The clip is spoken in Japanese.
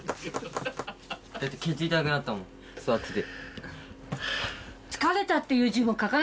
だってケツ痛くなったもん座ってて。